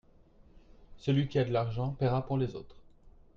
Celui qui a de l'argent paiera pour les autres.